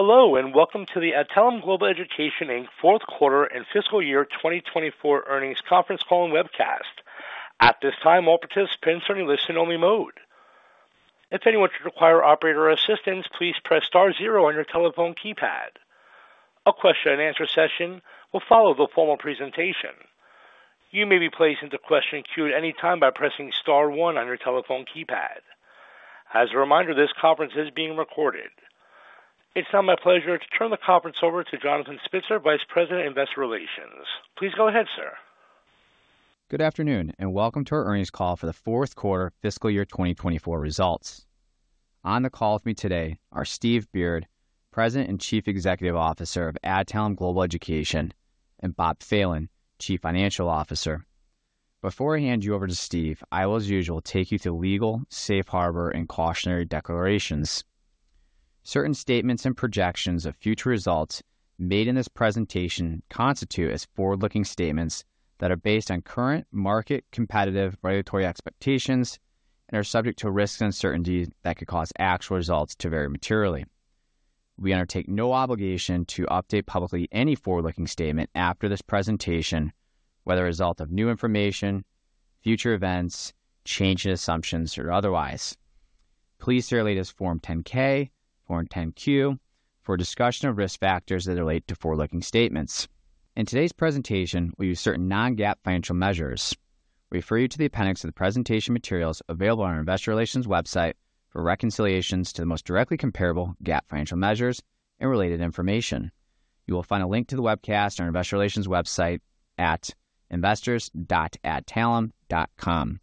Hello, and welcome to the Adtalem Global Education Inc. Q4 and fiscal year 2024 earnings Conference Call and webcast. At this time, all participants are in listen-only mode. If anyone should require operator assistance, please press star zero on your telephone keypad. A question-and-answer session will follow the formal presentation. You may be placed into question queue at any time by pressing star one on your telephone keypad. As a reminder, this conference is being recorded. It's now my pleasure to turn the conference over to Jonathan Spitzer, Vice President, Investor Relations. Please go ahead, sir. Good afternoon, and welcome to our earnings call for the Q4 fiscal year 2024 results. On the call with me today are Steve Beard, President and Chief Executive Officer of Adtalem Global Education, and Bob Phelan, Chief Financial Officer. Before I hand you over to Steve, I will, as usual, take you through legal, safe harbor, and cautionary declarations. Certain statements and projections of future results made in this presentation constitute as forward-looking statements that are based on current market competitive regulatory expectations and are subject to risks and uncertainties that could cause actual results to vary materially. We undertake no obligation to update publicly any forward-looking statement after this presentation, whether a result of new information, future events, change in assumptions, or otherwise. Please see our latest Form 10-K, Form 10-Q, for a discussion of risk factors that relate to forward-looking statements. In today's presentation, we use certain non-GAAP financial measures. We refer you to the appendix of the presentation materials available on our investor relations website for reconciliations to the most directly comparable GAAP financial measures and related information. You will find a link to the webcast on our investor relations website at investors.adtalem.com.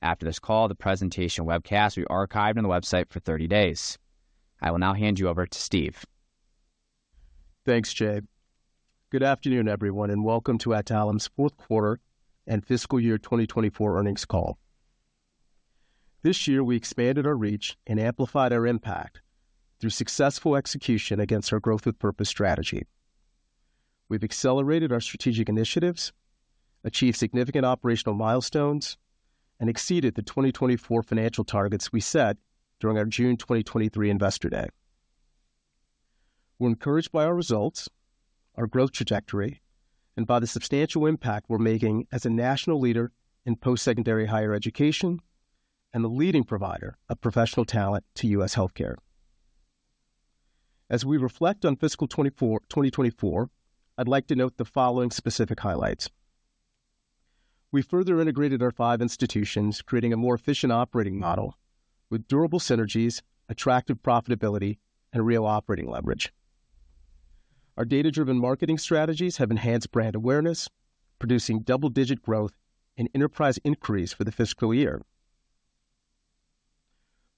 After this call, the presentation webcast will be archived on the website for 30 days. I will now hand you over to Steve. Thanks, Jay. Good afternoon, everyone, and welcome to Adtalem's Q4 and fiscal year 2024 earnings call. This year, we expanded our reach and amplified our impact through successful execution against our growth with purpose strategy. We've accelerated our strategic initiatives, achieved significant operational milestones, and exceeded the 2024 financial targets we set during our June 2023 Investor Day. We're encouraged by our results, our growth trajectory, and by the substantial impact we're making as a national leader in postsecondary higher education and the leading provider of professional talent to U.S. healthcare. As we reflect on fiscal 2024, 2024, I'd like to note the following specific highlights: We further integrated our five institutions, creating a more efficient operating model with durable synergies, attractive profitability, and real operating leverage. Our data-driven marketing strategies have enhanced brand awareness, producing double-digit growth and enterprise increase for the fiscal year.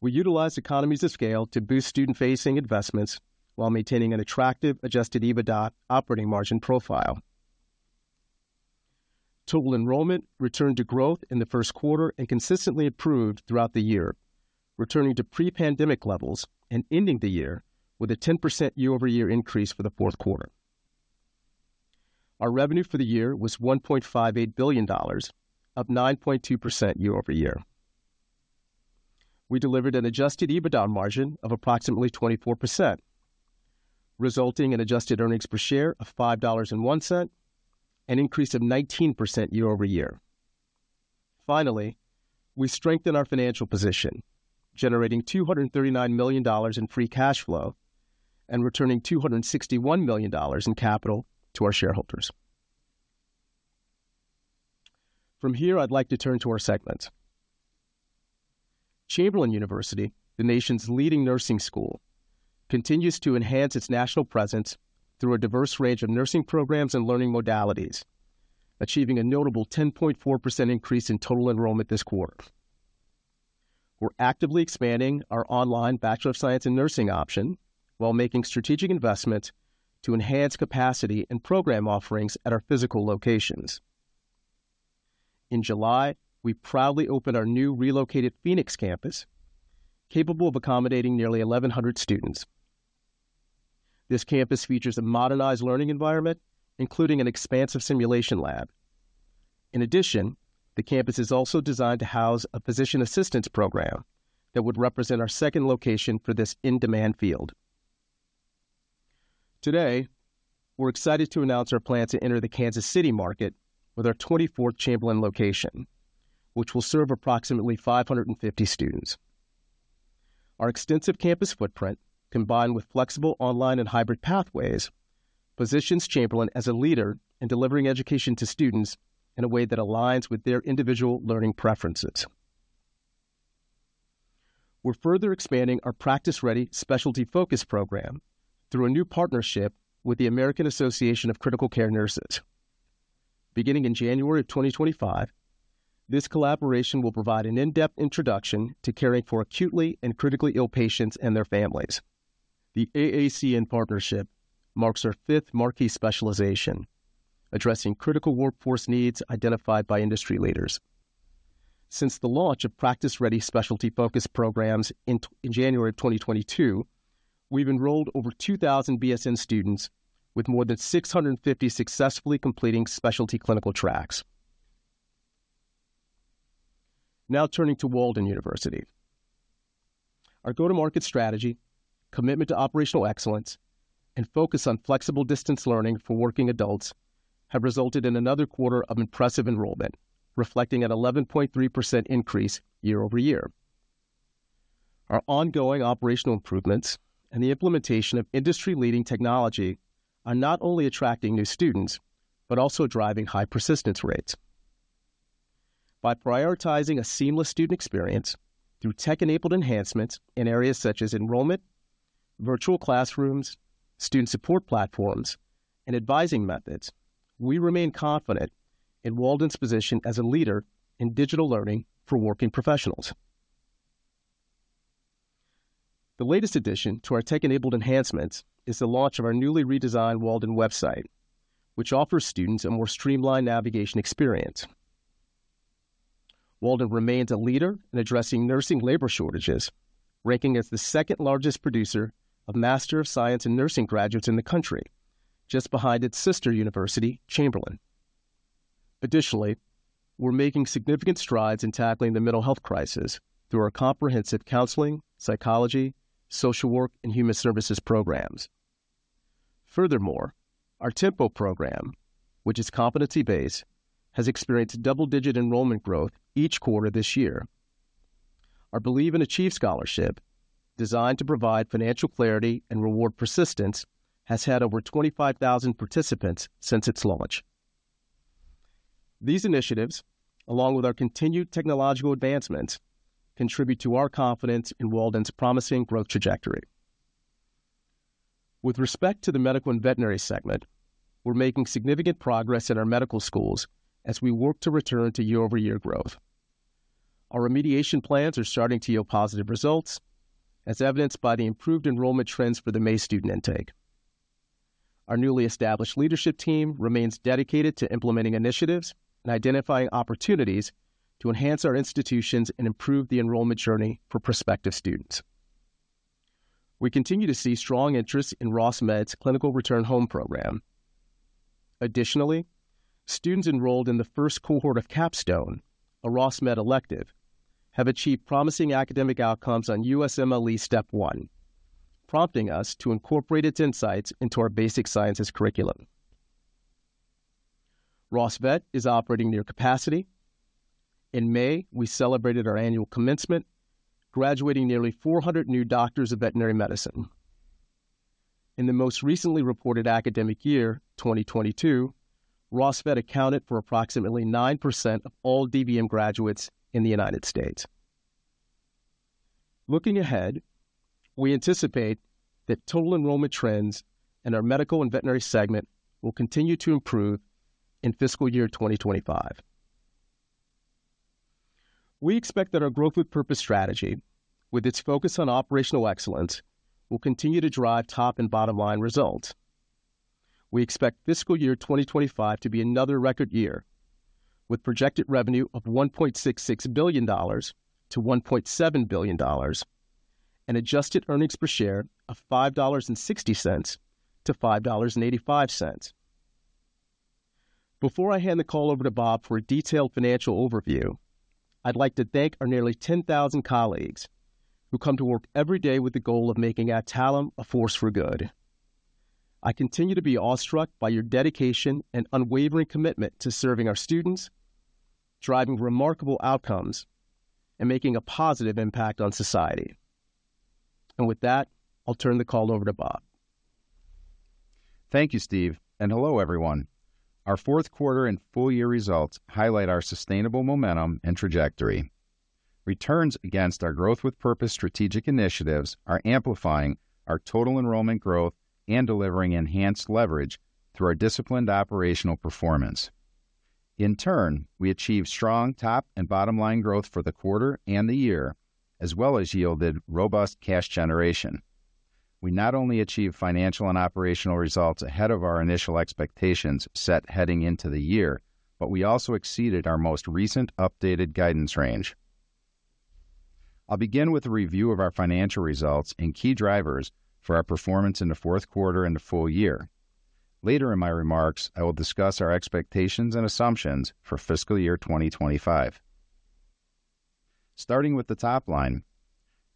We utilized economies of scale to boost student-facing investments while maintaining an attractive adjusted EBITDA operating margin profile. Total enrollment returned to growth in the Q1 and consistently improved throughout the year, returning to pre-pandemic levels and ending the year with a 10% year-over-year increase for the Q4. Our revenue for the year was $1.58 billion, up 9.2% year-over-year. We delivered an adjusted EBITDA margin of approximately 24%, resulting in adjusted earnings per share of $5.01, an increase of 19% year-over-year. Finally, we strengthened our financial position, generating $239 million in free cash flow and returning $261 million in capital to our shareholders. From here, I'd like to turn to our segments. Chamberlain University, the nation's leading nursing school, continues to enhance its national presence through a diverse range of nursing programs and learning modalities, achieving a notable 10.4% increase in total enrollment this quarter. We're actively expanding our online Bachelor of Science in Nursing option, while making strategic investments to enhance capacity and program offerings at our physical locations. In July, we proudly opened our new relocated Phoenix campus, capable of accommodating nearly 1,100 students. This campus features a modernized learning environment, including an expansive simulation lab. In addition, the campus is also designed to house a Physician Assistant program that would represent our second location for this in-demand field. Today, we're excited to announce our plan to enter the Kansas City market with our 24th Chamberlain location, which will serve approximately 550 students. Our extensive campus footprint, combined with flexible online and hybrid pathways, positions Chamberlain as a leader in delivering education to students in a way that aligns with their individual learning preferences. We're further expanding our Practice Ready specialty focus program through a new partnership with the American Association of Critical-Care Nurses. Beginning in January 2025, this collaboration will provide an in-depth introduction to caring for acutely and critically ill patients and their families. The AACN partnership marks our fifth marquee specialization, addressing critical workforce needs identified by industry leaders. Since the launch of Practice Ready specialty focus programs in January 2022, we've enrolled over 2,000 BSN students, with more than 650 successfully completing specialty clinical tracks... Now turning to Walden University. Our go-to-market strategy, commitment to operational excellence, and focus on flexible distance learning for working adults have resulted in another quarter of impressive enrollment, reflecting an 11.3% increase year-over-year. Our ongoing operational improvements and the implementation of industry-leading technology are not only attracting new students, but also driving high persistence rates. By prioritizing a seamless student experience through tech-enabled enhancements in areas such as enrollment, virtual classrooms, student support platforms, and advising methods, we remain confident in Walden's position as a leader in digital learning for working professionals. The latest addition to our tech-enabled enhancements is the launch of our newly redesigned Walden website, which offers students a more streamlined navigation experience. Walden remains a leader in addressing nursing labor shortages, ranking as the second-largest producer of Master of Science in Nursing graduates in the country, just behind its sister university, Chamberlain. Additionally, we're making significant strides in tackling the mental health crisis through our comprehensive counseling, psychology, social work, and human services programs. Furthermore, our Tempo program, which is competency-based, has experienced double-digit enrollment growth each quarter this year. Our Believe and Achieve scholarship, designed to provide financial clarity and reward persistence, has had over 25,000 participants since its launch. These initiatives, along with our continued technological advancements, contribute to our confidence in Walden's promising growth trajectory. With respect to the medical and veterinary segment, we're making significant progress in our medical schools as we work to return to year-over-year growth. Our remediation plans are starting to yield positive results, as evidenced by the improved enrollment trends for the May student intake. Our newly established leadership team remains dedicated to implementing initiatives and identifying opportunities to enhance our institutions and improve the enrollment journey for prospective students. We continue to see strong interest in Ross Med's Clinical Return Home program. Additionally, students enrolled in the first cohort of Capstone, a Ross Med elective, have achieved promising academic outcomes on USMLE Step 1, prompting us to incorporate its insights into our basic sciences curriculum. Ross Vet is operating near capacity. In May, we celebrated our annual commencement, graduating nearly 400 new doctors of veterinary medicine. In the most recently reported academic year, 2022, Ross Vet accounted for approximately 9% of all DVM graduates in the United States. Looking ahead, we anticipate that total enrollment trends in our medical and veterinary segment will continue to improve in fiscal year 2025. We expect that our Growth with Purpose strategy, with its focus on operational excellence, will continue to drive top and bottom line results. We expect fiscal year 2025 to be another record year, with projected revenue of $1.66 billion-$1.7 billion, and adjusted earnings per share of $5.60-$5.85. Before I hand the call over to Bob for a detailed financial overview, I'd like to thank our nearly 10,000 colleagues who come to work every day with the goal of making Adtalem a force for good. I continue to be awestruck by your dedication and unwavering commitment to serving our students, driving remarkable outcomes, and making a positive impact on society. With that, I'll turn the call over to Bob. Thank you, Steve, and hello, everyone. Our Q4 and full year results highlight our sustainable momentum and trajectory. Returns against our Growth with Purpose strategic initiatives are amplifying our total enrollment growth and delivering enhanced leverage through our disciplined operational performance. In turn, we achieved strong top and bottom line growth for the quarter and the year, as well as yielded robust cash generation. We not only achieved financial and operational results ahead of our initial expectations set heading into the year, but we also exceeded our most recent updated guidance range. I'll begin with a review of our financial results and key drivers for our performance in the Q4 and the full year. Later in my remarks, I will discuss our expectations and assumptions for fiscal year 2025. Starting with the top line,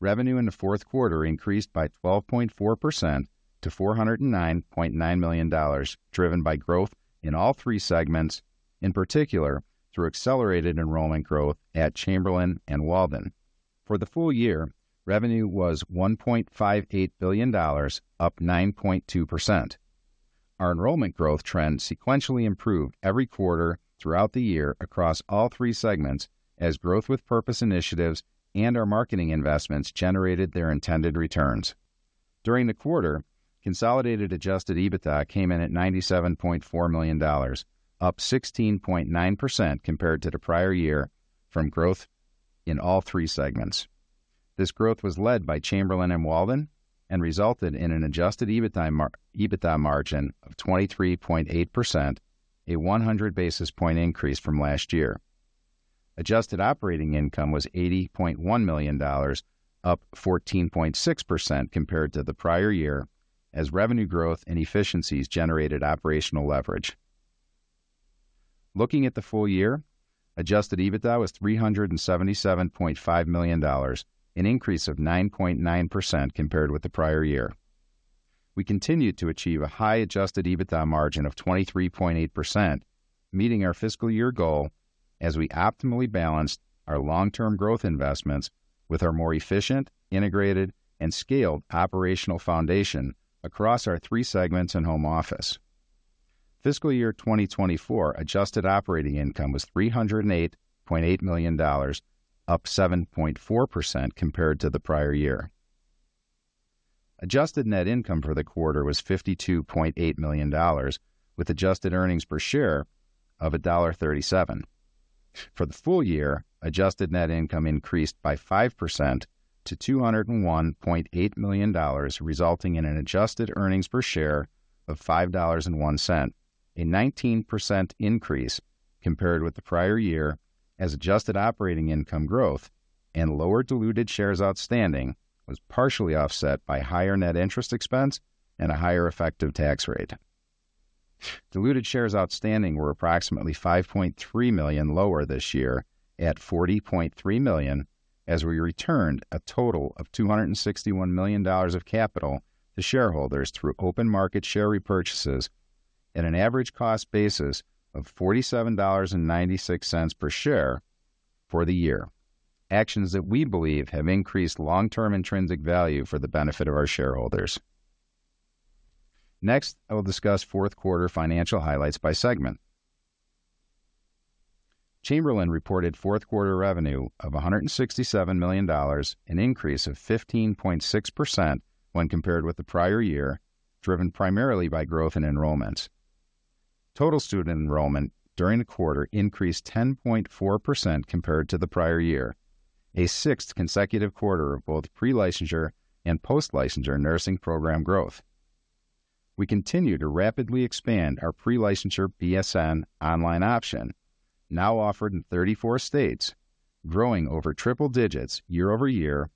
revenue in the Q4 increased by 12.4% to $409.9 million, driven by growth in all three segments, in particular, through accelerated enrollment growth at Chamberlain and Walden. For the full year, revenue was $1.58 billion, up 9.2%. Our enrollment growth trend sequentially improved every quarter throughout the year across all three segments as Growth with Purpose initiatives and our marketing investments generated their intended returns. During the quarter, consolidated adjusted EBITDA came in at $97.4 million, up 16.9% compared to the prior year from growth in all three segments. This growth was led by Chamberlain and Walden and resulted in an adjusted EBITDA margin of 23.8%, a 100 basis point increase from last year. Adjusted operating income was $80.1 million, up 14.6% compared to the prior year, as revenue growth and efficiencies generated operational leverage.... Looking at the full year, adjusted EBITDA was $377.5 million, an increase of 9.9% compared with the prior year. We continued to achieve a high adjusted EBITDA margin of 23.8%, meeting our fiscal year goal as we optimally balanced our long-term growth investments with our more efficient, integrated, and scaled operational foundation across our three segments and home office. Fiscal year 2024 adjusted operating income was $308.8 million, up 7.4% compared to the prior year. Adjusted net income for the quarter was $52.8 million, with adjusted earnings per share of $1.37. For the full year, adjusted net income increased by 5% to $201.8 million, resulting in an adjusted earnings per share of $5.01, a 19% increase compared with the prior year, as adjusted operating income growth and lower diluted shares outstanding was partially offset by higher net interest expense and a higher effective tax rate. Diluted shares outstanding were approximately 5.3 million lower this year at 40.3 million, as we returned a total of $261 million of capital to shareholders through open market share repurchases at an average cost basis of $47.96 per share for the year. Actions that we believe have increased long-term intrinsic value for the benefit of our shareholders. Next, I will discuss Q4 financial highlights by segment. Chamberlain reported Q4 revenue of $167 million, an increase of 15.6% when compared with the prior year, driven primarily by growth in enrollments. Total student enrollment during the quarter increased 10.4% compared to the prior year, a sixth consecutive quarter of both pre-licensure and post-licensure nursing program growth. We continue to rapidly expand our pre-licensure BSN online option, now offered in 34 states, growing over triple digits year-over-year,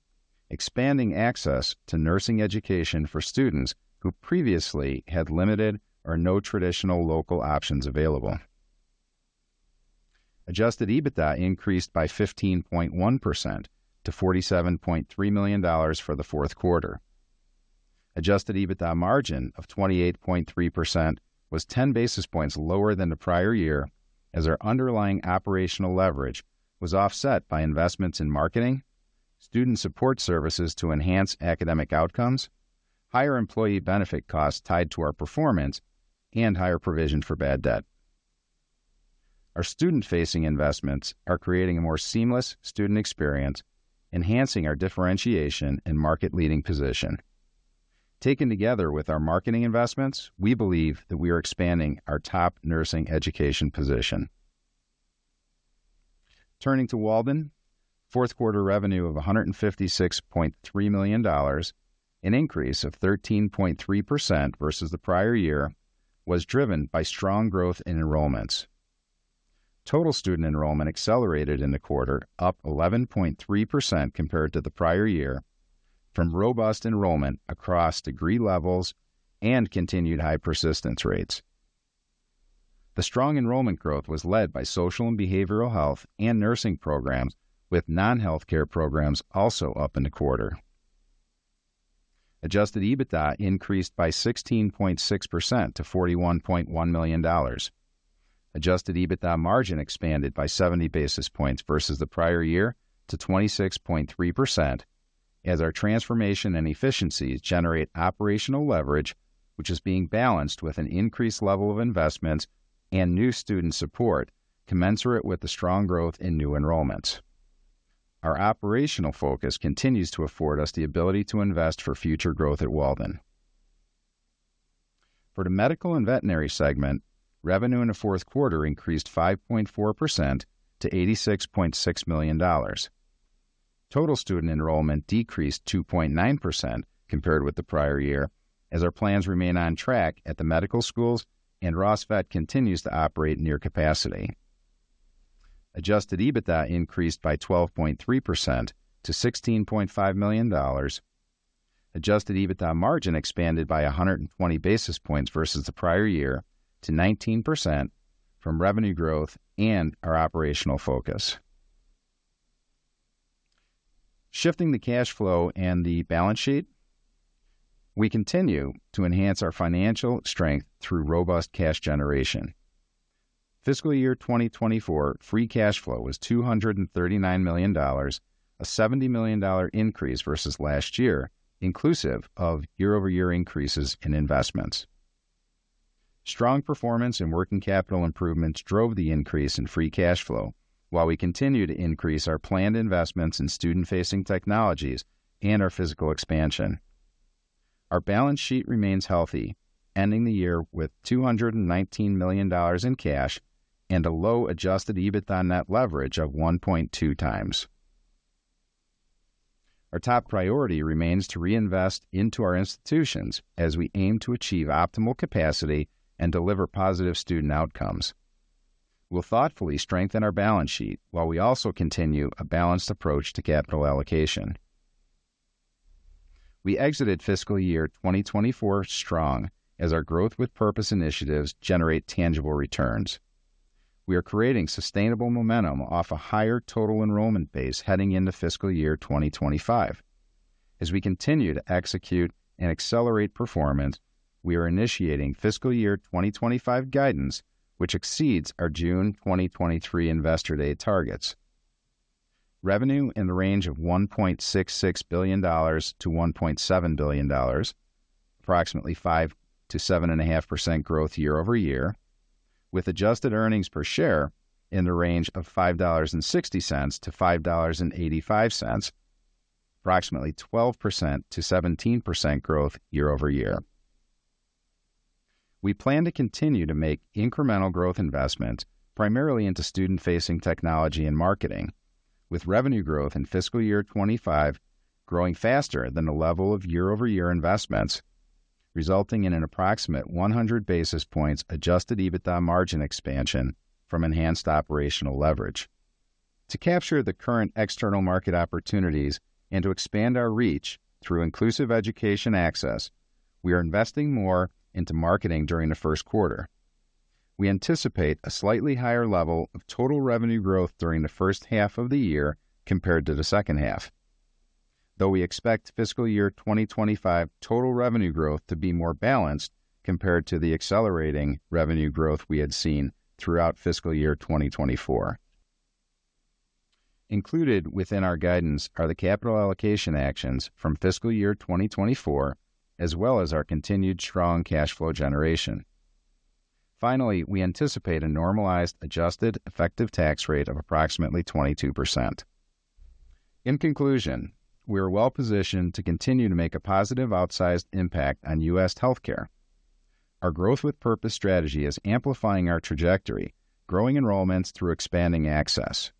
expanding access to nursing education for students who previously had limited or no traditional local options available. Adjusted EBITDA increased by 15.1% to $47.3 million for the Q4. Adjusted EBITDA margin of 28.3% was 10 basis points lower than the prior year, as our underlying operational leverage was offset by investments in marketing, student support services to enhance academic outcomes, higher employee benefit costs tied to our performance, and higher provision for bad debt. Our student-facing investments are creating a more seamless student experience, enhancing our differentiation and market-leading position. Taken together with our marketing investments, we believe that we are expanding our top nursing education position. Turning to Walden, Q4 revenue of $156.3 million, an increase of 13.3% versus the prior year, was driven by strong growth in enrollments. Total student enrollment accelerated in the quarter, up 11.3% compared to the prior year, from robust enrollment across degree levels and continued high persistence rates. The strong enrollment growth was led by social and behavioral health and nursing programs, with non-healthcare programs also up in the quarter. Adjusted EBITDA increased by 16.6% to $41.1 million. Adjusted EBITDA margin expanded by 70 basis points versus the prior year to 26.3%, as our transformation and efficiencies generate operational leverage, which is being balanced with an increased level of investments and new student support commensurate with the strong growth in new enrollments. Our operational focus continues to afford us the ability to invest for future growth at Walden. For the medical and veterinary segment, revenue in the Q4 increased 5.4% to $86.6 million. Total student enrollment decreased 2.9% compared with the prior year, as our plans remain on track at the medical schools, and Ross Vet continues to operate near capacity. Adjusted EBITDA increased by 12.3% to $16.5 million. Adjusted EBITDA margin expanded by 120 basis points versus the prior year to 19% from revenue growth and our operational focus. Shifting to cash flow and the balance sheet, we continue to enhance our financial strength through robust cash generation. Fiscal year 2024 free cash flow was $239 million, a $70 million dollar increase versus last year, inclusive of year-over-year increases in investments. Strong performance and working capital improvements drove the increase in free cash flow, while we continue to increase our planned investments in student-facing technologies and our physical expansion. Our balance sheet remains healthy, ending the year with $219 million in cash and a low adjusted EBITDA net leverage of 1.2x. Our top priority remains to reinvest into our institutions as we aim to achieve optimal capacity and deliver positive student outcomes. We'll thoughtfully strengthen our balance sheet while we also continue a balanced approach to capital allocation.... We exited fiscal year 2024 strong, as our Growth with Purpose initiatives generate tangible returns. We are creating sustainable momentum off a higher total enrollment base, heading into fiscal year 2025. As we continue to execute and accelerate performance, we are initiating fiscal year 2025 guidance, which exceeds our June 2023 Investor Day targets. Revenue in the range of $1.66 billion-$1.7 billion, approximately 5%-7.5% growth year-over-year, with adjusted earnings per share in the range of $5.60-$5.85, approximately 12%-17% growth year-over-year. We plan to continue to make incremental growth investment, primarily into student-facing technology and marketing, with revenue growth in fiscal year 2025 growing faster than the level of year-over-year investments, resulting in an approximate 100 basis points adjusted EBITDA margin expansion from enhanced operational leverage. To capture the current external market opportunities and to expand our reach through inclusive education access, we are investing more into marketing during the Q1. We anticipate a slightly higher level of total revenue growth during the first half of the year compared to the second half, though we expect fiscal year 2025 total revenue growth to be more balanced compared to the accelerating revenue growth we had seen throughout fiscal year 2024. Included within our guidance are the capital allocation actions from fiscal year 2024, as well as our continued strong cash flow generation. Finally, we anticipate a normalized, adjusted effective tax rate of approximately 22%. In conclusion, we are well positioned to continue to make a positive, outsized impact on U.S. healthcare. Our Growth with Purpose strategy is amplifying our trajectory, growing enrollments through expanding access.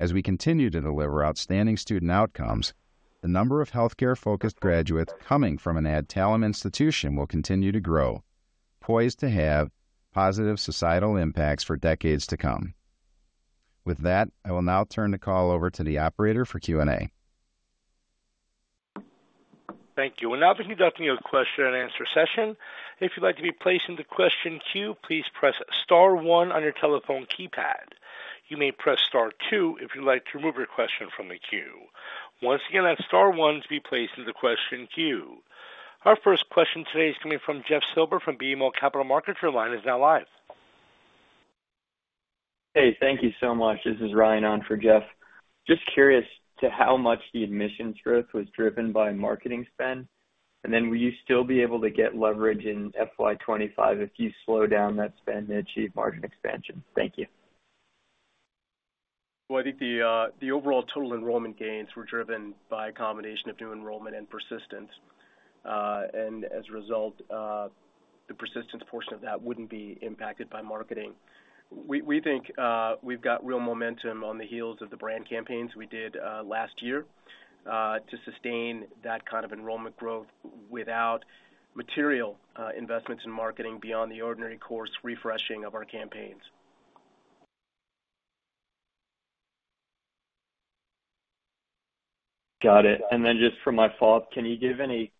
As we continue to deliver outstanding student outcomes, the number of healthcare-focused graduates coming from an Adtalem institution will continue to grow, poised to have positive societal impacts for decades to come. With that, I will now turn the call over to the operator for Q&A. Thank you. We'll now be conducting a question and answer session. If you'd like to be placed in the question queue, please press star one on your telephone keypad. You may press star two if you'd like to remove your question from the queue. Once again, that's star one to be placed in the question queue. Our first question today is coming from Jeff Silber from BMO Capital Markets. Your line is now live. Hey, thank you so much. This is Ryan on for Jeff. Just curious to how much the admissions growth was driven by marketing spend, and then will you still be able to get leverage in FY 2025 if you slow down that spend to achieve margin expansion? Thank you. Well, I think the overall total enrollment gains were driven by a combination of new enrollment and persistence. And as a result, the persistence portion of that wouldn't be impacted by marketing. We think we've got real momentum on the heels of the brand campaigns we did last year to sustain that kind of enrollment growth without material investments in marketing beyond the ordinary course refreshing of our campaigns. Got it. And then just for my follow-up, can you give any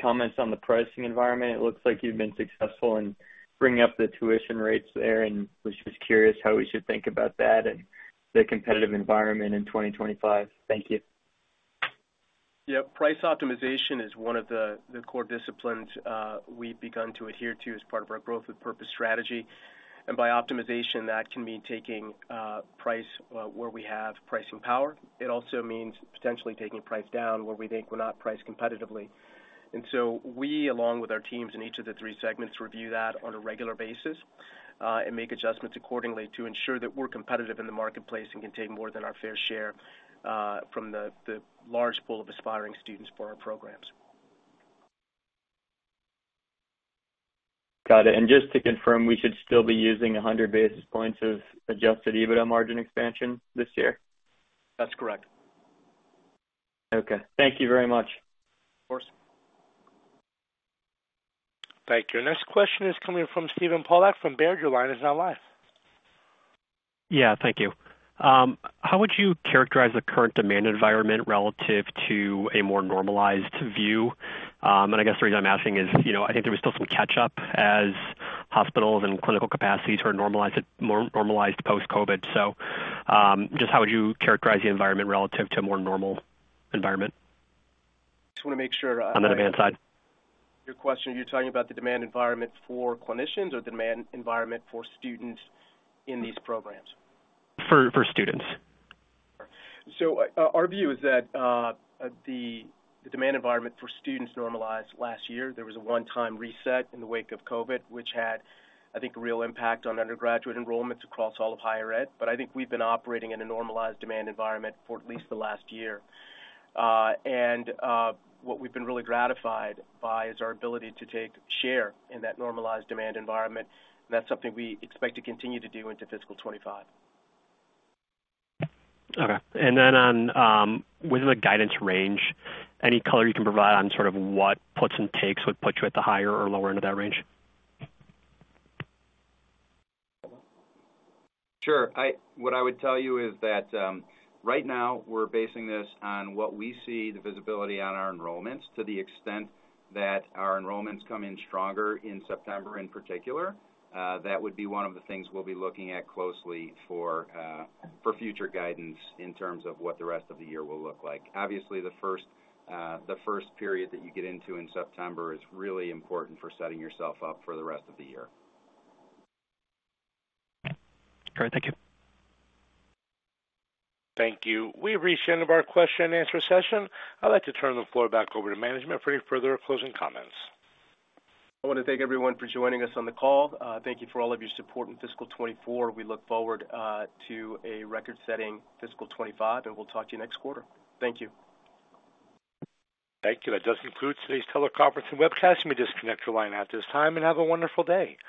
comments on the pricing environment? It looks like you've been successful in bringing up the tuition rates there, and was just curious how we should think about that and the competitive environment in 2025? Thank you. Yeah. Price optimization is one of the core disciplines we've begun to adhere to as part of our Growth with Purpose strategy. And by optimization, that can mean taking price where we have pricing power. It also means potentially taking price down where we think we're not priced competitively. And so we, along with our teams in each of the three segments, review that on a regular basis and make adjustments accordingly to ensure that we're competitive in the marketplace and can take more than our fair share from the large pool of aspiring students for our programs. Got it. Just to confirm, we should still be using 100 basis points of adjusted EBITDA margin expansion this year? That's correct. Okay. Thank you very much. Of course. Thank you. Our next question is coming from Steven Pollock from Baird. Your line is now live. Yeah, thank you. How would you characterize the current demand environment relative to a more normalized view? And I guess the reason I'm asking is, you know, I think there was still some catch up as hospitals and clinical capacities were normalized, more normalized post-COVID. So, just how would you characterize the environment relative to a more normal environment? Just want to make sure I- On the demand side. Your question, are you talking about the demand environment for clinicians or demand environment for students in these programs? For students. So our view is that the demand environment for students normalized last year. There was a one-time reset in the wake of COVID, which had, I think, a real impact on undergraduate enrollments across all of higher ed, but I think we've been operating in a normalized demand environment for at least the last year. What we've been really gratified by is our ability to take share in that normalized demand environment. That's something we expect to continue to do into fiscal 2025. Okay. And then on, within the guidance range, any color you can provide on sort of what puts and takes would put you at the higher or lower end of that range? Sure. What I would tell you is that, right now we're basing this on what we see the visibility on our enrollments. To the extent that our enrollments come in stronger in September, in particular, that would be one of the things we'll be looking at closely for future guidance in terms of what the rest of the year will look like. Obviously, the first period that you get into in September is really important for setting yourself up for the rest of the year. Great. Thank you. Thank you. We've reached the end of our question and answer session. I'd like to turn the floor back over to management for any further closing comments. I want to thank everyone for joining us on the call. Thank you for all of your support in fiscal 2024. We look forward to a record-setting fiscal 2025, and we'll talk to you next quarter. Thank you. Thank you. That does conclude today's teleconference and webcast. You may disconnect your line at this time, and have a wonderful day.